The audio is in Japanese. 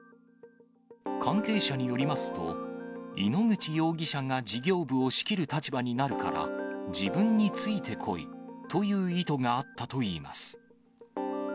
関係者によりますと、井ノ口容疑者が事業部を仕切る立場になるから、自分についてこいという意図があったといいます。